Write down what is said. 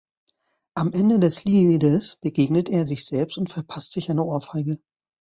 Am Ende des Liedes begegnet er sich selbst und verpasst sich eine Ohrfeige.